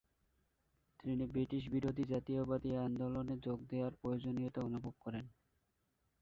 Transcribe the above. তিনি ব্রিটিশ-বিরোধী জাতীয়তাবাদী আন্দোলনে যোগ দেওয়ার প্রয়োজনীয়তা অনুভব করেন।